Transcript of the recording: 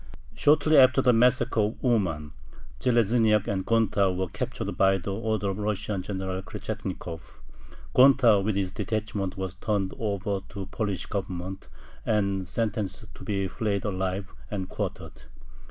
Shortly after the massacre of Uman, Zheleznyak and Gonta were captured by order of the Russian General Krechetnikov. Gonta with his detachment was turned over to the Polish Government, and sentenced to be flayed alive and quartered.